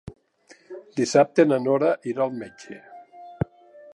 Dissabte na Nora irà al metge.